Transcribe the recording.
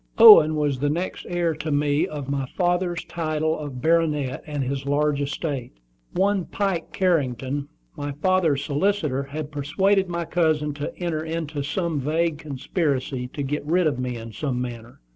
Owen was the next heir to me of my father's title of baronet and his large estate. One Pike Carrington, my father's solicitor, had persuaded my cousin to enter into some vague conspiracy to "get rid of me in some manner."